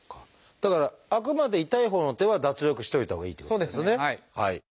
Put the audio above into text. だからあくまで痛いほうの手は脱力しといたほうがいいっていうことですよね。